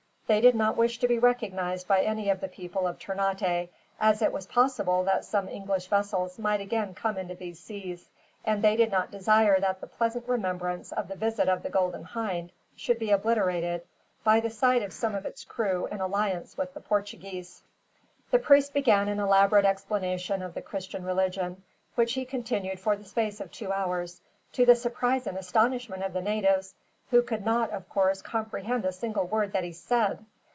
They did not wish to be recognized by any of the people of Ternate, as it was possible that some English vessels might again come into these seas, and they did not desire that the pleasant remembrance of the visit of the Golden Hind should be obliterated, by the sight of some of its crew in alliance with the Portuguese. The priest began an elaborate explanation of the Christian religion, which he continued for the space of two hours; to the surprise and astonishment of the natives, who could not, of course, comprehend a single word that he said.